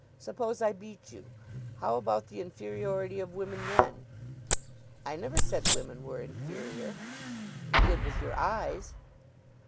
Suppose I beat you? How about the inferiority of women then?" "I never said women were inferior." "You did with your eyes."